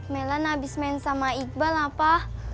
melan abis main sama iqbal apa